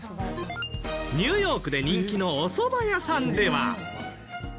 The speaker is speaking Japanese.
ニューヨークで人気のおそば屋さんでは。